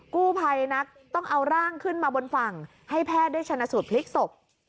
กู้ภัยนักต้องเอาร่างขึ้นมาบนฝั่งให้แพทย์ได้ชนะสูตรพลิกศพ